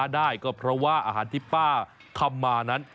ได้ก็เพราะว่าอาหารที่ป้าทำมานั้น